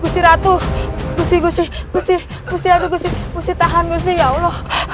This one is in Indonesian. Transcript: gusi ratu gusi gusi gusi gusi aduh gusi gusi tahan gusi ya allah